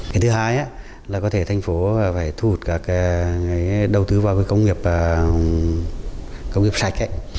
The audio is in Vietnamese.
cái thứ hai là có thể thành phố phải thu hút các cái đầu tư vào cái công nghiệp sạch